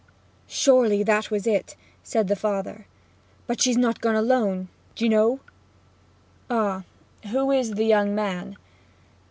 'Surely that was it!' said the father. 'But she's not gone alone, d'ye know!' 'Ah who is the young man?'